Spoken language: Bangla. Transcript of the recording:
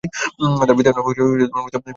তার পিতার মৃত নবাব আলী।